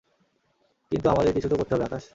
কিন্তু আমাদের কিছু তো করতে হবে আকাশ।